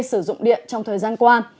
sử dụng điện trong thời gian qua